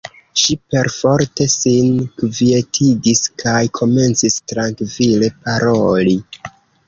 Ŝi perforte sin kvietigis kaj komencis trankvile paroli.